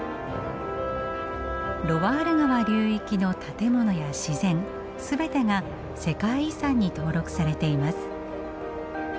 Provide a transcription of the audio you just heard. ロワール川流域の建物や自然全てが世界遺産に登録されています。